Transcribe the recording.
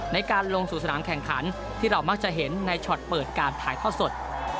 ในการลงสู่สนามแข่งขันที่เรามักจะเห็นในช็อตเปิดการถ่ายทอดสด